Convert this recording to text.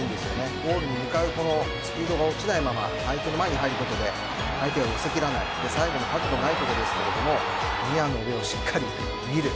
ゴールに向かうスピードが落ちないまま相手の前に入ることで相手は寄せきらない最後の角度のないところですがニアの上をしっかり見る。